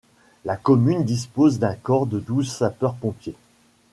La commune dispose d'un corps de douze sapeurs-pompiers.